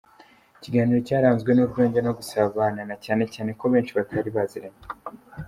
Ikiganiro cyaranzwe n'urwenya no gusabana na cyane ko benshi batari baziranye.